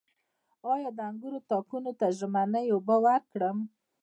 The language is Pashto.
آیا د انګورو تاکونو ته ژمنۍ اوبه ورکړم؟